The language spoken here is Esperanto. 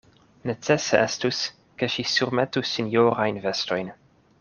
Necese estus, ke ŝi surmetu sinjorajn vestojn.